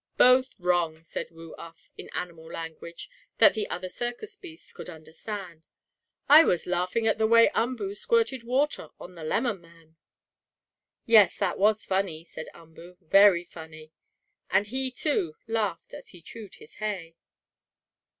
"Both wrong!" said Woo Uff, in animal language that the other circus beasts could understand. "I was laughing at the way Umboo squirted water on the lemon man." "Yes, that was funny," said Umboo. "Very funny!" And he, too, laughed as he chewed his hay.